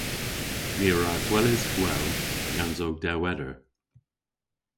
My a wra gweles gwell gans ow dewweder.